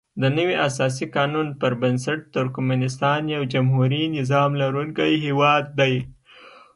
دنوي اساسي قانون پر بنسټ ترکمنستان یو جمهوري نظام لرونکی هیواد دی.